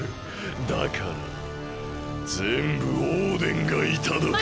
だからぜんぶオーデンがいただく。